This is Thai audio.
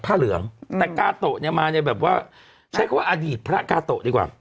แต่กาโตเนี้ยเช็คว่าอดีตพระกาโตดีกว่า